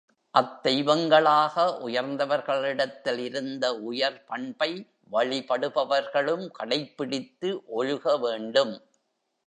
அத்தெய்வங்களாக உயர்ந்தவர்களிடத்தில் இருந்த உயர் பண்பை, வழிபடுபவர்களும் கடைப்பிடித்து ஒழுக வேண்டும்.